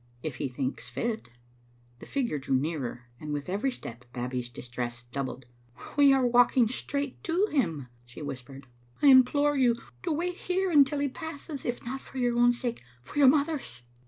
"If He thinks fit." The figure drew nearer, and with every step Babbie's distress doubled. "We are walking straight to him," she whispered. *' I implore you to wait here until he passes, if not for your own sake, for your mother's."